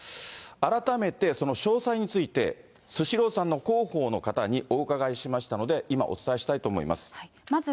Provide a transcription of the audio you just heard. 改めて、その詳細について、スシローさんの広報の方にお伺いしましたので、今、お伝えしたいと思います。